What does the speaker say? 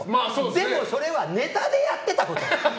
でもそれはネタでやってたこと！